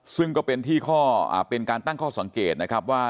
ซึ่งก็เป็นที่ข้อเป็นการตั้งข้อสังเกตนะครับว่า